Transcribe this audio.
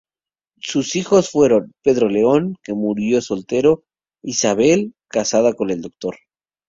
Sus hijos fueron: Pedro León, que murió soltero, Isabel, casada con el Dr.